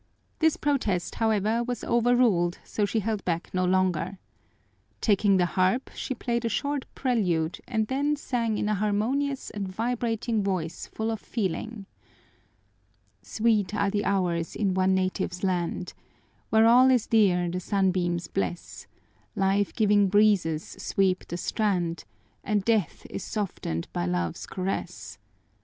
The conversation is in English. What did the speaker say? This protest, however, was overruled so she held back no longer. Taking the harp, she played a short prelude and then sang in a harmonious and vibrating voice full of feeling: Sweet are the hours in one's native land, Where all is dear the sunbeams bless; Life giving breezes sweep the strand, And death is soften'd by love's caress.